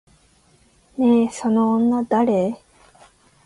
ねえ、その女誰？